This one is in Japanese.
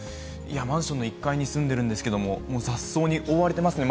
マンションの１階に住んでるんですけれども、もう雑草に覆われてますね。